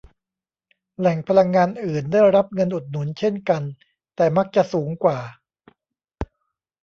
แหล่งพลังงานอื่นได้รับเงินอุดหนุนเช่นกัน แต่มักจะสูงกว่า